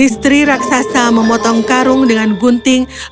istri raksasa memotong karung dengan gunting dan menyeretnya